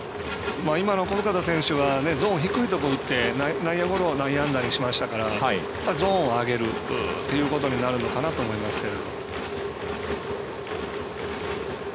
今の小深田選手はゾーン、低いところ打って内野ゴロを内野安打にしましたからゾーンを上げるということになるのかなと思いますけど。